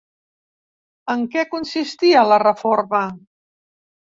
En què consistia la reforma?